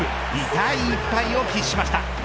痛い１敗を喫しました。